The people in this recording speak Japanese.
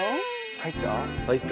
入った。